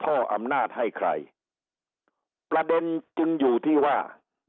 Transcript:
่ออำนาจให้ใครประเด็นจึงอยู่ที่ว่า